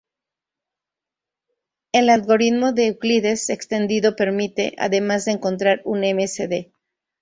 El algoritmo de Euclides extendido permite, además de encontrar un m.c.d.